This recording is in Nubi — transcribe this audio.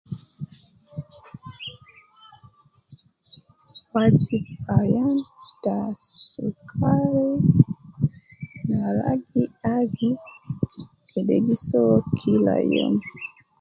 Wajib ayan ta sukari na ragi aju kede gi soo kila youm